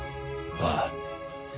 ああ。